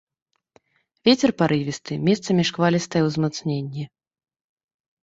Вецер парывісты, месцамі шквалістае ўзмацненне.